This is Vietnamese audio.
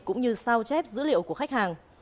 cũng như sao chép dữ liệu của khách hàng